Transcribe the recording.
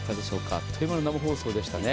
あっという間の生放送でしたね。